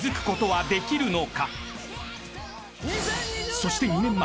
［そして２年前］